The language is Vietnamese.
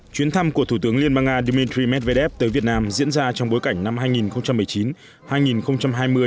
chuyến thăm của thủ tướng liên bang nga dmitry medvedev tới việt nam diễn ra trong bối cảnh năm hai nghìn một mươi chín hai nghìn hai mươi